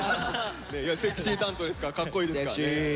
セクシー担当ですからかっこいいですからね。